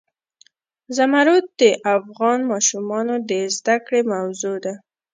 زمرد د افغان ماشومانو د زده کړې موضوع ده.